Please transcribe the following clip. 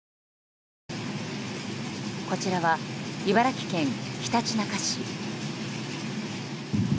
こちらは、茨城県ひたちなか市。